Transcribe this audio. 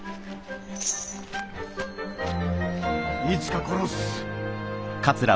いつか殺す。